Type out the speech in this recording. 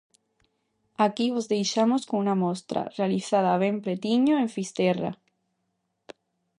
Aquí vos deixamos cunha mostra, realizada ben pretiño, en Fisterra.